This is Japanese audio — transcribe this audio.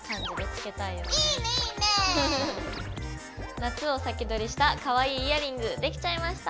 夏を先取りしたかわいいイヤリングできちゃいました！